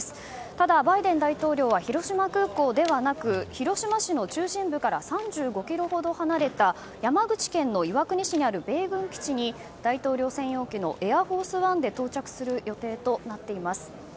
ただ、バイデン大統領は広島空港ではなく広島市の中心部から３５ｋｍほど離れた山口県岩国市にある米軍基地に大統領専用機の「エアフォースワン」で到着する予定となっています。